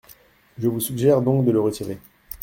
Je vous suggère donc de le retirer.